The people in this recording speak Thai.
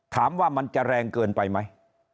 ถามว่ามันจะแรงเกินไปไหม